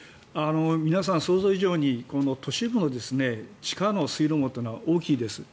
皆さん、想像以上に都市部の地下の水路網というのは大きいです。